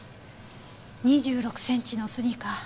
２６センチのスニーカー。